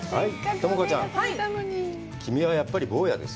友香ちゃん、君はやっぱり坊やです。